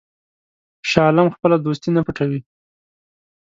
شاه عالم خپله دوستي نه پټوي.